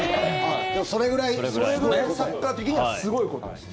それぐらいサッカー的にはすごいことです。